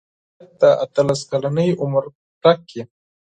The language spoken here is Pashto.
هغه باید د اتلس کلنۍ عمر پوره کړي.